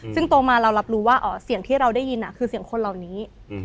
ซึ่งโตมาเรารับรู้ว่าเสียงที่เราได้ยินคือเสียงคนเหล่านี้